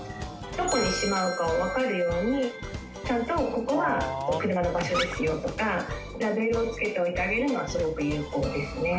どこにしまうかをわかるようにちゃんとここは車の場所ですよとかラベルを付けておいてあげるのはすごく有効ですね。